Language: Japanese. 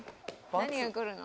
何が来るの？